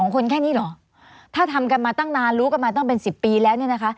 ๒คนแค่นี้เหรอถ้าทำกันมาตั้งนานรู้กันมาตั้งเป็น๑๐ปีแล้วเนี่ยนะคะ